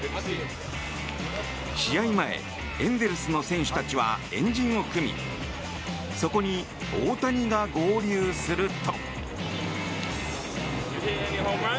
試合前、エンゼルスの選手たちは円陣を組みそこに大谷が合流すると。